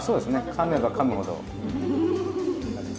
かめばかむほど。